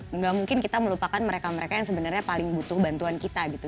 enggak mungkin kita melupakan mereka mereka yang sebenarnya paling butuh bantuan kita gitu